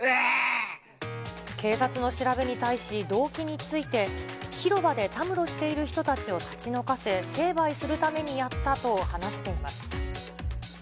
警察の調べに対し、動機について、広場でたむろしている人たちを立ち退かせ、成敗するためにやったと話しています。